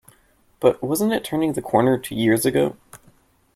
But wasn't it turning the corner two years ago?